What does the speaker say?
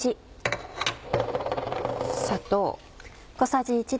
砂糖。